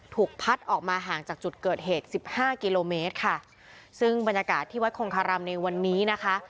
พัดออกมาห่างจากจุดเกิดเหตุสิบห้ากิโลเมตรค่ะซึ่งบรรยากาศที่วัดคงคารามในวันนี้นะคะ